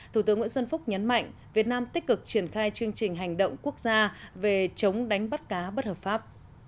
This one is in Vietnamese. thủ tướng nguyễn xuân phúc nhấn mạnh việt nam tích cực triển khai chương trình hành động quốc gia về chống đánh bắt cá bất hợp pháp